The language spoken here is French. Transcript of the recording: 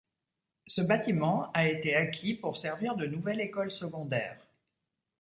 Ce bâtiment a été acquis pour servir de nouvelle école secondaire.